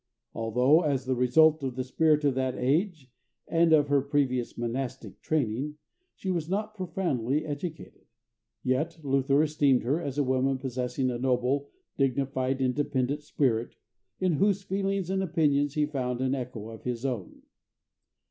Although, as the result of the spirit of that age and of her previous monastic training, she was not profoundly educated, yet Luther esteemed her as a woman possessing a noble, dignified, independent spirit, in whose feelings and opinions he found an echo of his own.